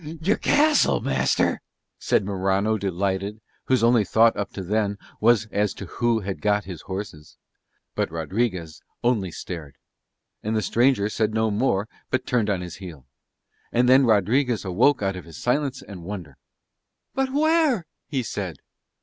"Your castle, master!" said Morano delighted, whose only thought up to then was as to who had got his horses. But Rodriguez only stared: and the stranger said no more but turned on his heel. And then Rodriguez awoke out of his silence and wonder. "But where?" he said.